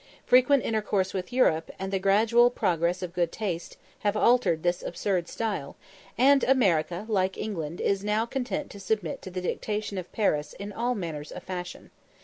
Frequent intercourse with Europe, and the gradual progress of good taste, have altered this absurd style, and America, like England, is now content to submit to the dictation of Paris in all matters of fashion.